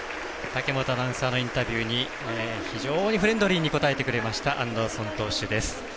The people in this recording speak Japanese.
武本アナウンサーのインタビューに非常にフレンドリーに答えてくれましたアンダーソン投手です。